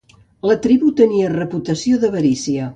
La tribu tenia reputació d'avarícia.